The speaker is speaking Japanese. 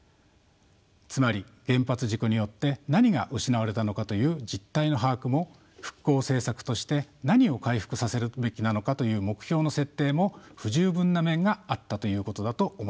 つまり原発事故によって何が失われたのかという実態の把握も復興政策として何を回復させるべきなのかという目標の設定も不十分な面があったということだと思います。